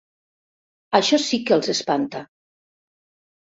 Això sí que els espanta.